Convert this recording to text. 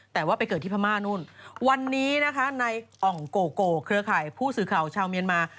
แต่ว่าไปเกิดที่พม่านู่นวันนี้นะคะในอ่องโกโกเครือข่ายผู้สื่อข่าวชาวเมียนมา